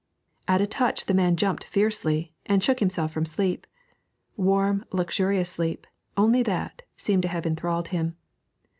At the touch the man jumped fiercely, and shook himself from sleep. Warm, luxurious sleep, only that, seemed to have enthralled him.